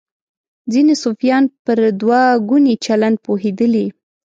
ځینې صوفیان پر دوه ګوني چلند پوهېدلي.